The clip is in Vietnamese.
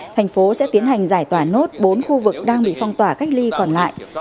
thành phố sẽ tiến hành giải tỏa nốt bốn khu vực đang bị phong tỏa cách ly còn lại